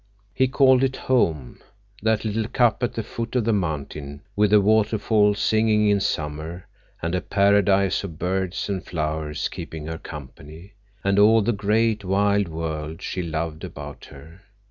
He called it home, that little cup at the foot of the mountain, with the waterfall singing in summer, and a paradise of birds and flowers keeping her company, and all the great, wild world she loved about her.